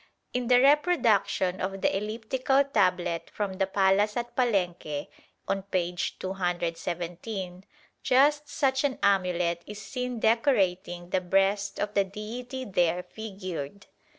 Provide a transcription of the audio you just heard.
In the reproduction of the elliptical tablet from the palace at Palenque on p. 217, just such an amulet is seen decorating the breast of the deity there figured.